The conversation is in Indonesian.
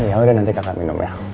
ya udah nanti kakak minum ya